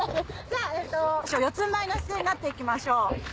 四つんばいの姿勢になって行きましょう。